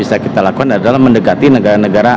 bisa kita lakukan adalah mendekati negara negara